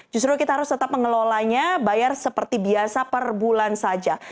justru kita harus tetap mengelolanya bayar seperti biasa per bulan saja